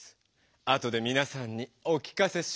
あとでみなさんにお聴かせしましょ。